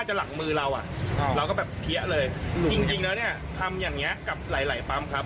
จากหลังมือเราเราก็แบบเพี้ยเลยจริงแล้วทำอย่างนี้กับหลายปั๊มครับ